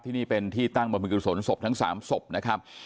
ที่นี่เป็นที่ตั้งบรรพิกุศลศพทั้ง๓ศพนะครับ